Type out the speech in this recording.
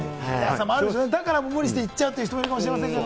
だから無理して行っちゃう人もいるかもしれませんが。